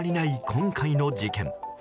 今回の事件。